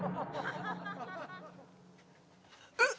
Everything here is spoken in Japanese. えっ。